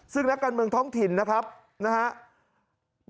ซึ่งนักการเมืองท้องถิ่นนะครับนะครับ